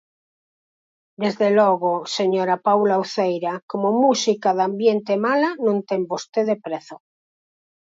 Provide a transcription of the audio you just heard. Desde logo, señora Paula Uceira, ¡como música de ambiente mala, non ten vostede prezo!